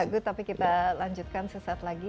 pak gup tapi kita lanjutkan sesaat lagi